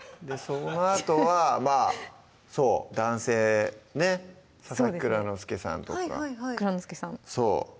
そのあとはまぁそう男性ね佐々木蔵之介さんとか蔵之介さん